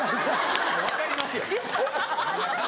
分かりますよ。